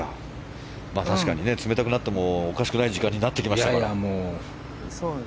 確かにね、冷たくなってもおかしくない時間になってきました。